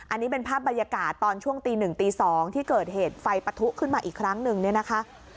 อันนี้เป็นภาพบรรยากาศตอนช่วงตี๑ตี๒ที่เกิดเหตุไฟปะทุขึ้นมาอีกครั้งหนึ่งเนี่ยนะคะ